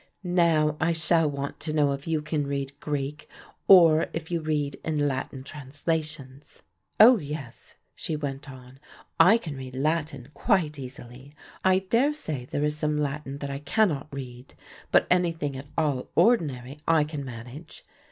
Now I shall want to know if you can read Greek or if you read in Latin translations. Oh, yes," she went on, "I can read Latin quite easily. I dare say there is some Latin that I cannot read, but anything at all ordinary I can manage.